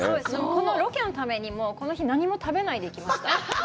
このロケのためにこの日、何も食べないで行きました。